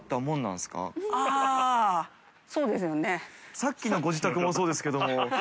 さっきのご自宅もそうですけども。